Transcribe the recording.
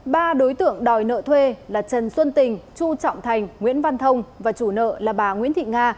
ba đối tượng đòi nợ thuê là trần xuân tình chu trọng thành nguyễn văn thông và chủ nợ là bà nguyễn thị nga